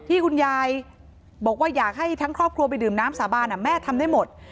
ที่คุณยายบอกว่าอยากให้ทั้งครอบครัวไปดื่มน้ำสาบานแม่ทำได้หมด